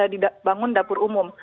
dibangun dapur umum